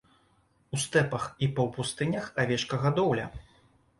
У стэпах і паўпустынях авечкагадоўля.